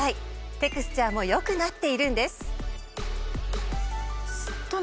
テクスチャーも良くなっているんです。